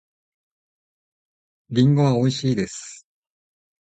リンゴはおいしいです。